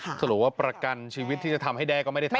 สรุปว่าประกันชีวิตที่จะทำให้แด้ก็ไม่ได้ทำ